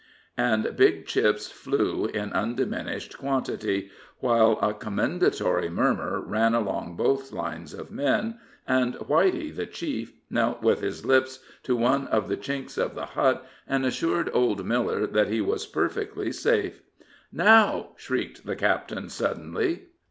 And big chips flew in undiminished quantity, while a commendatory murmur ran along both lines of men, and Whitey, the chief, knelt with his lips to one of the chinks of the hut, and assured old Miller that he was perfectly safe. "Now!" shrieked the captain, suddenly.